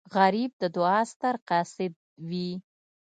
غریب د دعا ستر قاصد وي